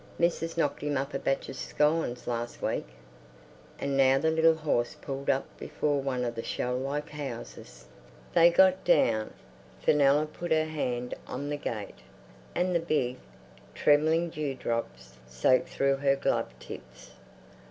Missus knocked him up a batch of scones last week." And now the little horse pulled up before one of the shell like houses. They got down. Fenella put her hand on the gate, and the big, trembling dew drops soaked through her glove tips.